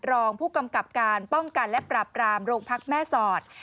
รองผู้กำกับการป้องกันและปราบรามโรงพักแม่สอด